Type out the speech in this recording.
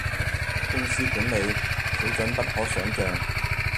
公司管理，水準不可想像